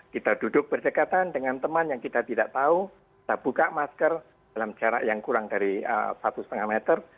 kita duduk berdekatan dengan teman yang kita tidak tahu kita buka masker dalam jarak yang kurang dari satu lima meter